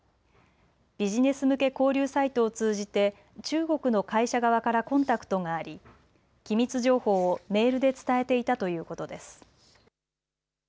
ビジネス向け交流サイトを通じて中国の会社側からコンタクトがあり機密情報をメールで伝えていたということです。